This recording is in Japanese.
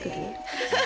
ハハハ！